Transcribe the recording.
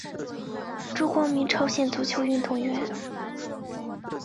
朱光民朝鲜足球运动员。